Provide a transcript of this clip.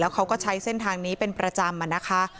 เขาก็ใช้เส้นทางนี้เป็นประจำนะคะ